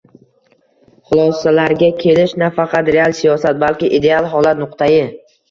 xulosalarga kelish - nafaqat real siyosat, balki “ideal holat” nuqtai